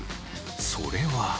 それは。